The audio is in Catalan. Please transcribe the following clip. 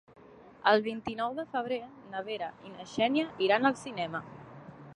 El vint-i-nou de febrer na Vera i na Xènia iran al cinema.